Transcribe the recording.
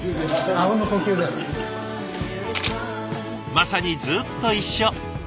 まさにずっと一緒。